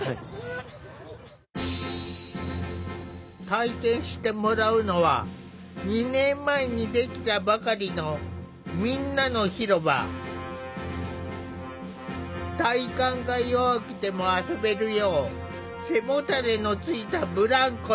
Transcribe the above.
体験してもらうのは２年前に出来たばかりの体幹が弱くても遊べるよう背もたれのついたブランコに。